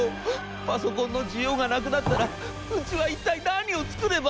パソコンの需要がなくなったらうちは一体何を作れば』。